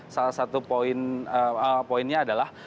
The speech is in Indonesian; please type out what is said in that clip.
salah satu poinnya adalah